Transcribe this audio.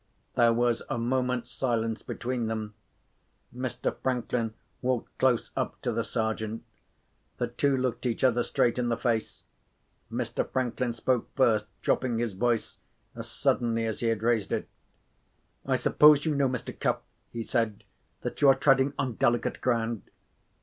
There was a moment's silence between them: Mr. Franklin walked close up to the Sergeant. The two looked each other straight in the face. Mr. Franklin spoke first, dropping his voice as suddenly as he had raised it. "I suppose you know, Mr. Cuff," he said, "that you are treading on delicate ground?"